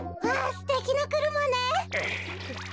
すてきなくるまね。